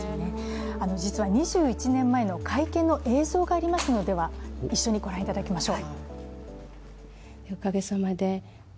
実は２１年前の会見の映像がありますので一緒にご覧いただきましょう。